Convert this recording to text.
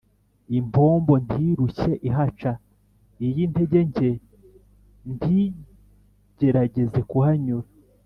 impombo ntirushye ihaca: iy’intege nke ntigerageze kuhanyura